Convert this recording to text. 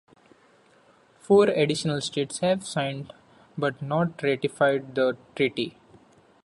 Four additional states have signed but not ratified the treaty.